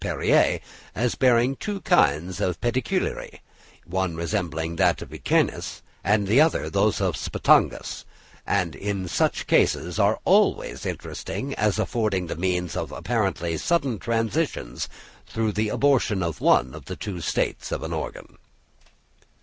Perrier as bearing two kinds of pedicellariæ, one resembling those of Echinus, and the other those of Spatangus; and such cases are always interesting as affording the means of apparently sudden transitions, through the abortion of one of the two states of an organ.